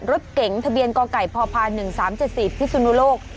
รถเก๋งทะเบียนกไก่พพ๑๓๗๔พิสุนุโลก